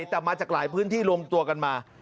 แต่มาจากหลายพื้นที่รวมตัวกันมา